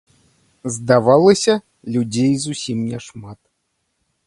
Здавалася, людзей зусім няшмат.